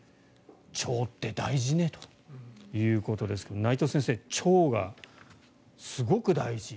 腸って大事ねということですけども内藤先生、腸がすごく大事。